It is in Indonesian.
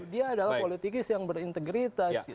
jadi ini sudah dianggap seperti yang berintegritas